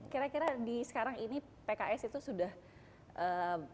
kira kira di sekarang ini pks itu sudah ee